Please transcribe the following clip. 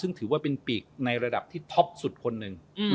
ซึ่งถือว่าเป็นปีกในระดับที่ท็อปสุดคนหนึ่ง